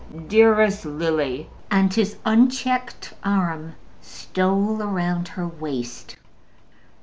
"Dearest Lily," and his unchecked arm stole round her waist.